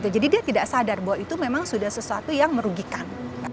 jadi dia tidak sadar bahwa itu memang sudah sesuatu yang merugikan